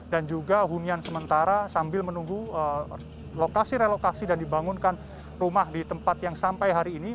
dan juga hunian sementara sambil menunggu lokasi relokasi dan dibangunkan rumah di tempat yang sampai hari ini